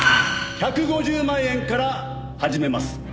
１５０万円から始めます。